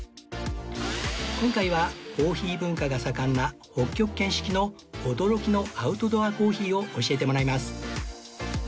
今回はコーヒー文化が盛んな北極圏式の驚きのアウトドアコーヒーを教えてもらいます